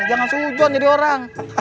jangan sujon jadi orang